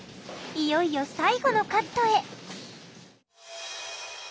いよいよ最後のカットへ。